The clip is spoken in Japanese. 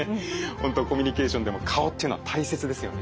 本当コミュニケーションでも顔っていうのは大切ですよね。